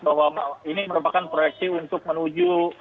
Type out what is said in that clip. bahwa ini merupakan proyeksi untuk menuju